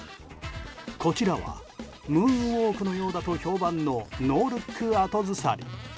こちらはムーンウォークのようだと評判のノールック後ずさり。